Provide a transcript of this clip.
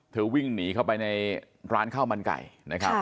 วิ่งหนีเข้าไปในร้านข้าวมันไก่นะครับ